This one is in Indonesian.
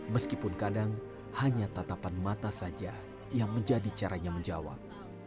meskipun kadang hanya tatapan mata saja yang menjadi caranya menjawab